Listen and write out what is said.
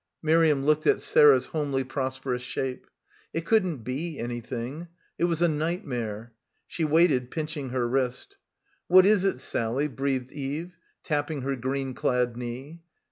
Miriam looked at Sarah's homely prosperous shape. It couldn't be anything. It was a night mare. She waited, pinching her wrist. 'What is it, Sally?" breathed Eve, tapping her green clad knee.